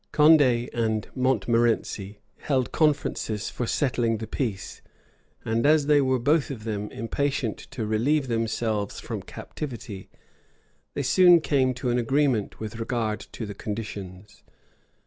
Condé and Montmorency held conferences for settling the peace; and as they were both of them impatient to relieve themselves from captivity, they soon came to an agreement with regard to the conditions.